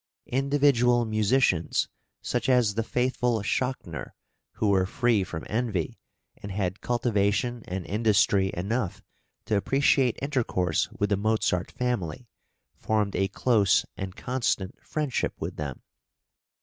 Individual musicians, such as the faithful Schachtner, who were free from envy, and had cultivation and industry enough to appreciate intercourse with the Mozart family, formed a close and constant friendship with them.